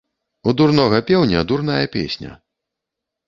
у дурнога пеўня дурная песня